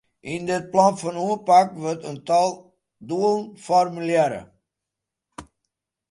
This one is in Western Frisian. Yn dit plan fan oanpak wurdt in tal doelen formulearre.